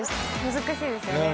難しいですよね。